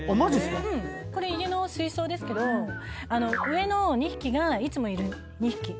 これ家の水槽ですけど上の２匹がいつもいる２匹。